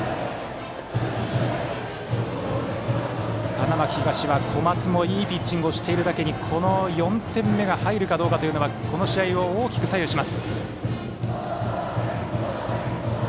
花巻東は、小松もいいピッチングをしているだけにこの４点目が入るかどうかというのがこの試合を大きく左右します。